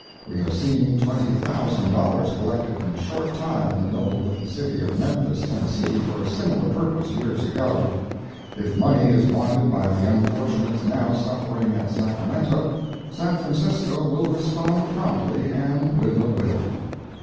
We have seen twenty thousand dollars collected in a short time in the noble little city of Memphis, Tennessee, for a similar purpose, years ago. If money is wanted by the unfortunates now suffering at Sacramento, San Francisco will respond promptly and with a will.